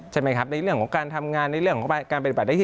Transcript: ใช่ไหมครับในเรื่องของการทำงานเป็นประโดคทิศ